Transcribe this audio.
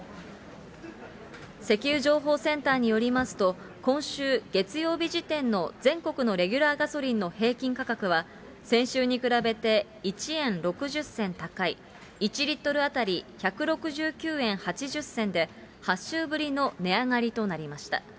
石油情報センターによりますと、今週月曜日時点の全国のレギュラーガソリンの平均価格は、先週に比べて１円６０銭高い、１リットル当たり１６９円８０銭で、８週ぶりの値上がりとなりました。